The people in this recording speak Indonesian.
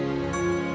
aku bisa menorem dia